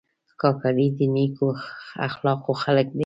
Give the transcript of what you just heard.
کاکړي د نیکو اخلاقو خلک دي.